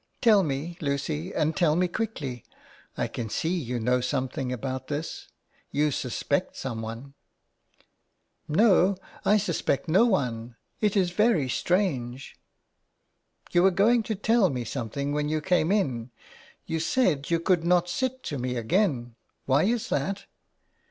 Tell me, Lucy, and tell me quickly. I can see you know something about this. You suspect someone," " No, I suspect no one. It is very strange." " You were going to tell me something when you came in. You said you could not sit to me again. Why is that?"